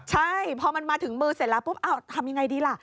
ใช่พอมันมาถึงมือเสร็จแล้วปุ๊บทำยังไงดีล่ะ